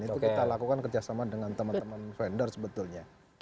itu kita lakukan kerjasama dengan teman teman vendor sebetulnya